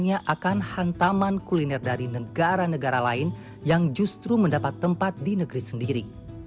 dan kegelisahannya akan hantaman kuliner dari negara negara lain yang justru mendapat tempat di negeri sendiri